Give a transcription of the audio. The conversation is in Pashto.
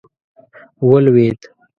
ولوېد.